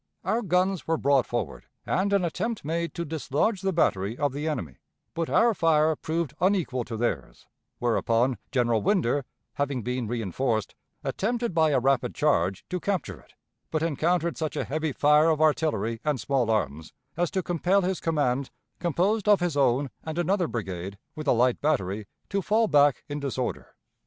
Our guns were brought forward, and an attempt made to dislodge the battery of the enemy, but our fire proved unequal to theirs; whereupon General Winder, having been reënforced, attempted by a rapid charge to capture it, but encountered such a heavy fire of artillery and small arms as to compel his command, composed of his own and another brigade, with a light battery, to fall back in disorder.